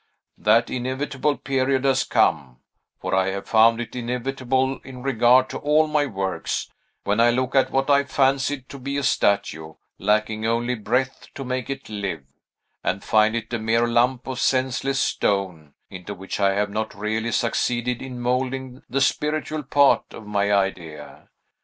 That inevitable period has come, for I have found it inevitable, in regard to all my works, when I look at what I fancied to be a statue, lacking only breath to make it live, and find it a mere lump of senseless stone, into which I have not really succeeded in moulding the spiritual part of my idea.